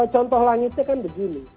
contoh langitnya kan begini